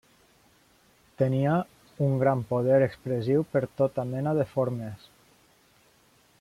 Tenia un gran poder expressiu per tota mena de formes.